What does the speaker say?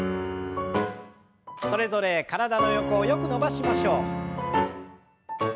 それぞれ体の横をよく伸ばしましょう。